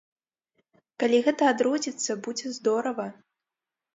Калі гэта адродзіцца, будзе здорава.